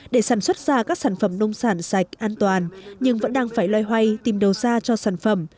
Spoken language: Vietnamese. để sản xuất ra các sản phẩm nông sản sạch an toàn nhưng vẫn đang phải loay hoay tìm đầu ra cho sản phẩm